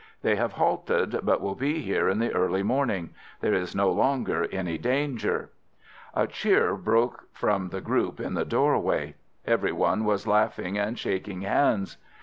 They have halted, but will be here in the early morning. There is no longer any danger." A cheer broke from the group in the doorway. Everyone was laughing and shaking hands.